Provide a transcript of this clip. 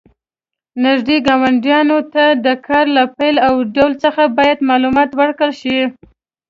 نږدې ګاونډیانو ته د کار له پیل او ډول څخه باید معلومات ورکړل شي.